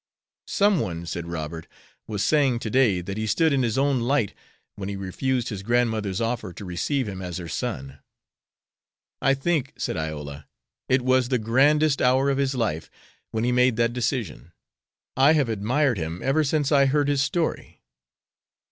'" "Some one," said Robert, "was saying to day that he stood in his own light when he refused his grandmother's offer to receive him as her son." "I think," said Iola, "it was the grandest hour of his life when he made that decision. I have admired him ever since I heard his story."